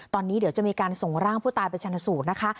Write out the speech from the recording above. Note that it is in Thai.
ตอนนี้เดี๋ยวจะมีการส่งร่างผู้ตายไปชนสูตรนะคะ